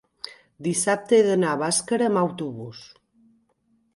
dissabte he d'anar a Bàscara amb autobús.